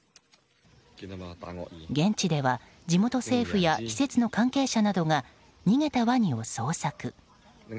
現地では地元政府や施設の関係者などが逃げたワニを捜索。